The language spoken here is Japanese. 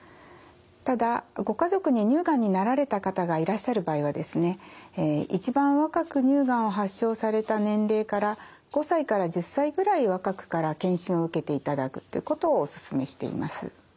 ただご家族に乳がんになられた方がいらっしゃる場合はですね一番若く乳がんを発症された年齢から５歳から１０歳ぐらい若くから検診を受けていただくということをお勧めしています。